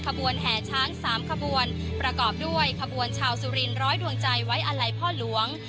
ขบวนแห่ช้าง๓ขบวนประกอบด้วยขบวนชาวสุรินร้อยดวงใจไว้อาลัยพ่อหลวง